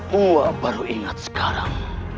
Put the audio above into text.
buah baru ingat sekarang